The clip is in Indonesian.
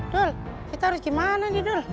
dul kita harus gimana nih dul